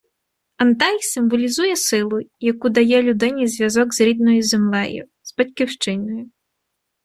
Антей - символізує силу, яку дає людині зв'язок з рідною землею, з батьківщиною